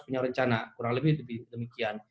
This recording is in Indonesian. punya rencana kurang lebih demikian